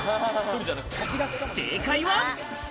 正解は。